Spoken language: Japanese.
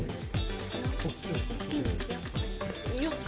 よっ。